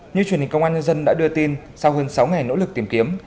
như truyền hình công an nhân dân đã đưa tin sau hơn sáu ngày nỗ lực tìm kiếm